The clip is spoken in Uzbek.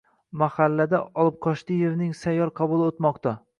Mahallada Olibqochdievning sayyor qabuli o`tmoqda